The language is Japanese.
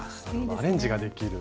アレンジができる。